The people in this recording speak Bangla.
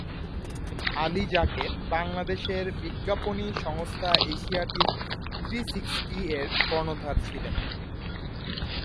আলী যাকের বাংলাদেশের বিজ্ঞাপনী "সংস্থা এশিয়াটিক থ্রিসিক্সটি"-র কর্ণধার ছিলেন।